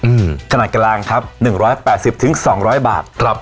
อืมขนาดกลางครับหนึ่งร้อยแปดสิบถึงสองร้อยบาทครับ